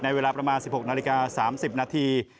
เวลาประมาณ๑๖นาฬิกา๓๐นาที